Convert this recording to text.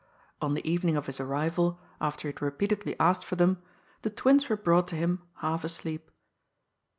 On the evening of his arrival, after he had repeatedly asked for them, the twins were brought to him half asleep.